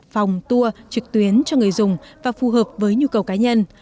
phòng tour trực tuyến cho người dùng và phù hợp với nhu cầu cá nhân